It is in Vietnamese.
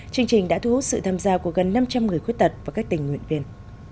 chương trình đã thu hút sự tham gia của gần năm trăm linh người khuyết tật và các tình nguyện viên